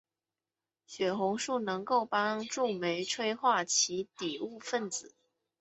血红素能够帮助酶催化其底物分子。